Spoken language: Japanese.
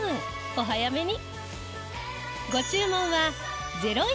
お早めに。